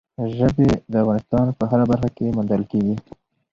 ژبې د افغانستان په هره برخه کې موندل کېږي.